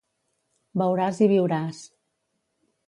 Beuràs i viuràs.